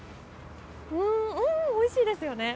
おいしいですよね。